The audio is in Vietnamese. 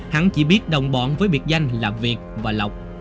hắn chỉ biết đồng bọn với biệt danh là việt và lộc